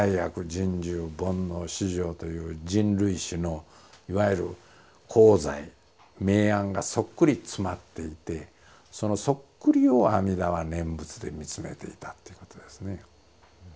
深重煩悩熾盛という人類史のいわゆる功罪明暗がそっくり詰まっていてそのそっくりを阿弥陀は念仏で見つめていたということですね。